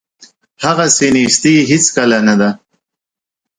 هغسې نیستي هیڅکله نه ده.